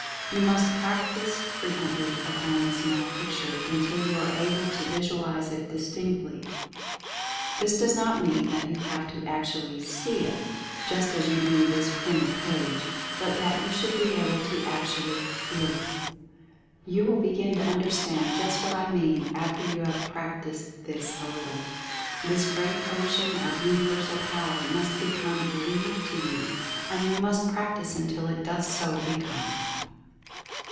You must practice frequently upon this Mental Picture until you are able to visualize it distinctly. This does not mean that you have to actually see it, just as you do this printed page; but that you should be able to actually feel it. You will begin to understand just Establishing a Mentative Centre 181 what I mean after you have practiced this a little. This Great Ocean of Universal Power must become REAL to you — and you must practice until it does so become.